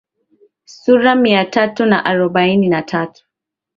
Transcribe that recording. sura mia tatu na arobaini na tatu